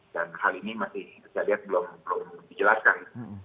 dan hal ini masih belum dijelaskan